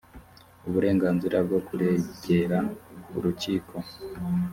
uburenganzira bwo kuregera urukiko